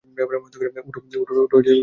উঠ, বিছানায় এসে শোও।